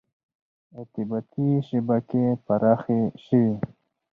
• ارتباطي شبکې پراخې شوې.